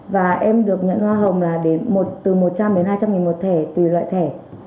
và em được nhận hoa hồng từ một trăm linh đến hai trăm linh một thẻ tùy loại thẻ